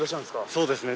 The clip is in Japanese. そうですね